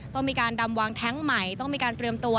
ต้องมีการดำวางแท้งใหม่ต้องมีการเตรียมตัว